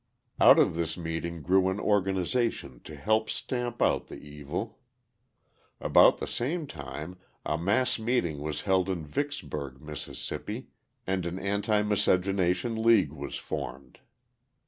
Out of this meeting grew an organisation to help stamp out the evil. About the same time, a mass meeting was held in Vicksburg, Miss., and an Anti Miscegenation League was formed.